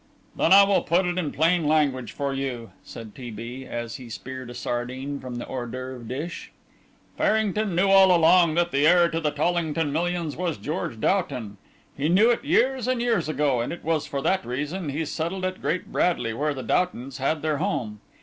"Then I will put it in plain language for you," said T. B. as he speared a sardine from the hors d'oeuvre dish. "Farrington knew all along that the heir to the Tollington millions was George Doughton. He knew it years and years ago, and it was for that reason he settled at Great Bradley, where the Doughtons had their home.